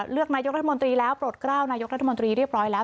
เลือกนายกรัฐมนตรีแล้วโปรดกล้าวนายกรัฐมนตรีเรียบร้อยแล้ว